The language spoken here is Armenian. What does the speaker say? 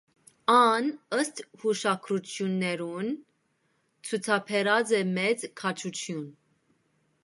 Ան, ըստ յուշագրութիւններուն, ցուցաբերած է մեծ քաջութիւն։